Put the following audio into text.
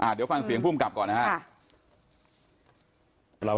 เดี๋ยวฟังเสียงภูมิกับก่อนนะครับ